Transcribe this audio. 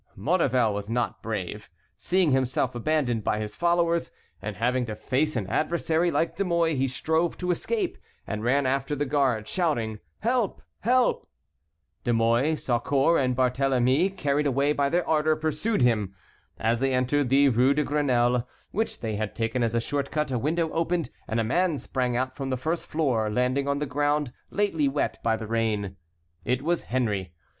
Maurevel was not brave. Seeing himself abandoned by his followers, and having to face an adversary like De Mouy, he strove to escape, and ran after the guard, shouting, "help! help!" De Mouy, Saucourt, and Barthélemy, carried away by their ardor, pursued him. As they entered the Rue de Grenelle, which they had taken as a short cut, a window opened and a man sprang out from the first floor, landing on the ground lately wet by the rain. It was Henry.